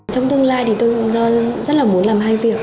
trong tương lai thì tôi rất là muốn làm hai việc